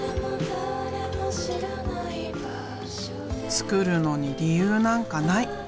作るのに理由なんかない。